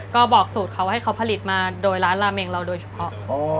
ก็บอกสูตรเขาให้เขาผลิตมาโดยร้านราเมงเราโดยเฉพาะ